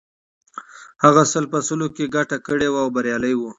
هغه سل په سلو کې ګټه کړې وه او بریالی و